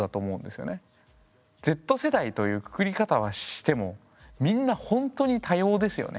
Ｚ世代というくくり方はしてもみんなほんとに多様ですよね。